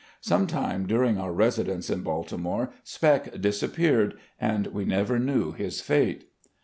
Sometime during our residence in Baltimore, Spec disappeared, and we never knew his fate.